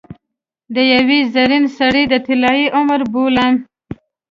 د یوه زرین سړي د طلايي عمر بولم.